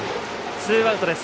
ツーアウトです。